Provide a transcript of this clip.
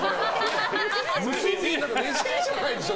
ねじりじゃないでしょ！